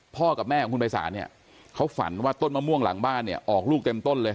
กับแม่ของคุณภัยศาลเนี่ยเขาฝันว่าต้นมะม่วงหลังบ้านเนี่ยออกลูกเต็มต้นเลย